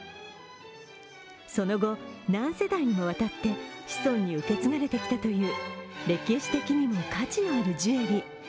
その後、何世代にもわたって子孫に受け継がれてきたという歴史的にも価値のあるジュエリー。